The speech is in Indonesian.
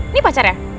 ini pacar ya